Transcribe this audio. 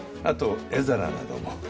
あと絵皿なども。